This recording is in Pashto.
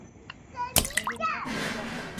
مدیر مخکې اصلاح کړې وه.